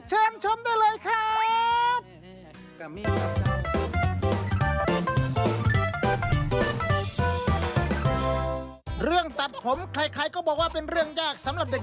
เชิญชมได้เลยครับ